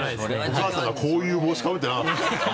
お母さんがこういう帽子かぶってなかったよね？